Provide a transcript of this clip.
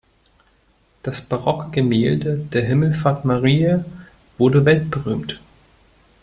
Das barocke Gemälde der Himmelfahrt Mariae wurde weltberühmt.